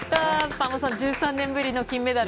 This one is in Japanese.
さんまさん、１３年ぶりの金メダル。